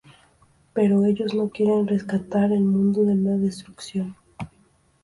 Pero ellos no quieren rescatar al mundo de la destrucción.